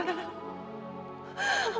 aku belum mau mati